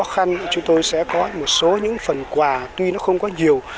khó khăn chúng tôi sẽ có một số những phần quà tuy nó không có nhiều